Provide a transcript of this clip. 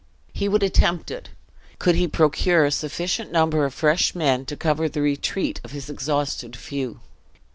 He would attempt it, could he procure a sufficient number of fresh men to cover the retreat of his exhausted few.